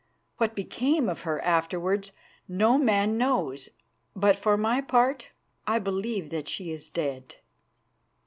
What became of her afterwards no man knows, but for my part I believe that she is dead."